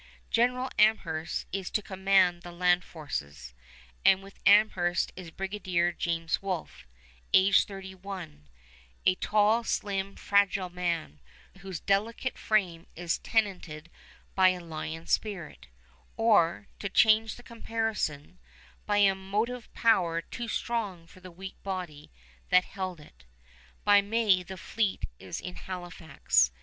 General Amherst is to command the land forces, and with Amherst is Brigadier James Wolfe, age thirty one, a tall, slim, fragile man, whose delicate frame is tenanted by a lion spirit; or, to change the comparison, by a motive power too strong for the weak body that held it. By May the fleet is in Halifax.